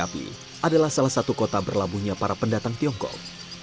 tapi adalah salah satu kota berlabuhnya para pendatang tiongkok